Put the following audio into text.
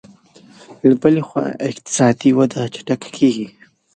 له بلې خوا اقتصادي وده چټکه کېږي